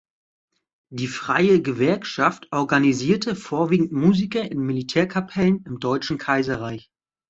Die freie Gewerkschaft organisierte vorwiegend Musiker in Militärkapellen im Deutschen Kaiserreich.